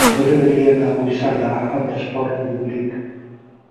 M'agradaria anar a Puigcerdà amb trasport públic.